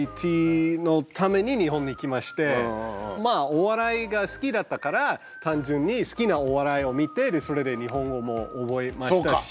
ＩＴのために日本に来ましてまあお笑いが好きだったから単純に好きなお笑いを見てでそれで日本語も覚えましたし。